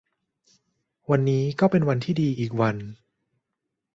วันนี้ก็เป็นวันที่ดีอีกวัน